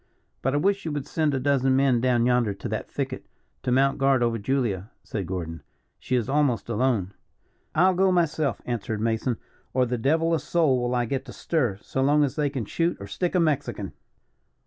"But I wish you would send a dozen men down yonder to that thicket, to mount guard over Julia," said Gordon. "She is almost alone." "I'll go myself," answered Mason, "or the devil a soul will I get to stir, so long as they can shoot or stick a Mexican.